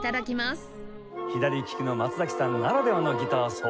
左ききの松崎さんならではのギター奏法。